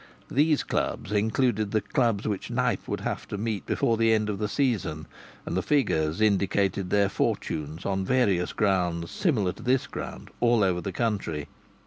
These clubs included the clubs which Knype would have to meet before the end of the season, and the figures indicated their fortunes on various grounds similar to this ground all over the country.